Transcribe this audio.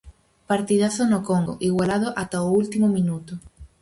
Partidazo no Conco, igualado ata o último minuto.